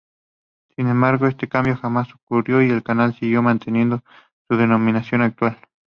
Sin embargo, este cambio jamás ocurrió y el canal siguió manteniendo su denominación actual.